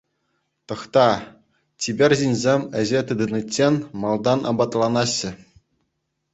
Тӑхта, чипер ҫынсем ӗҫе тытӑниччен малтан апатланаҫҫӗ.